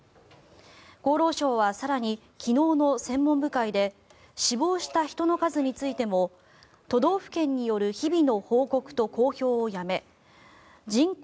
厚労省は更に昨日の専門部会で死亡した人の数についても都道府県による日々の報告と公表をやめ人口